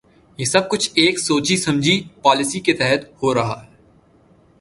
یہ سب کچھ ایک سوچی سمجھی پالیسی کے تحت ہو رہا ہے۔